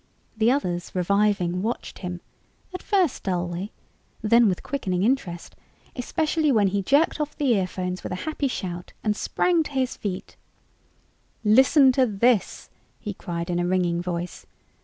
The others, reviving, watched him, at first dully, then with quickening interest, especially when he jerked off the earphones with a happy shout and sprang to his feet. "Listen to this!" he cried in a ringing voice.